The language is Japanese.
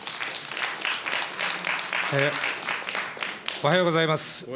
おはようございます。